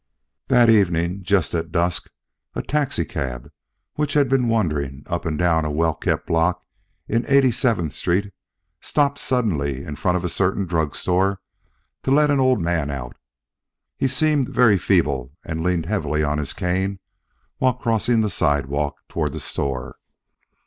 That evening, just at dusk, a taxicab which had been wandering up and down a well kept block in Eighty seventh Street stopped suddenly in front of a certain drug store to let an old man out. He seemed very feeble and leaned heavily on his cane while crossing the sidewalk toward the store.